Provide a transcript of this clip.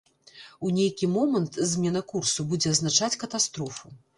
У нейкі момант змена курсу будзе азначаць катастрофу.